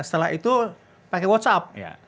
setelah itu pakai whatsapp